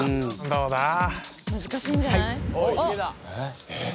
難しいんじゃない？えっ？